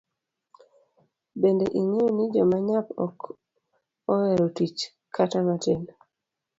Bende ingeyo ni joma nyap ok oero tich kata matin.